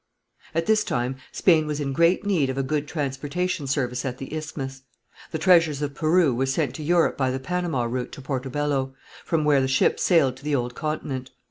At this time Spain was in great need of a good transportation service at the isthmus. The treasures of Peru were sent to Europe by the Panama route to Porto Bello, from where the ships sailed to the old continent.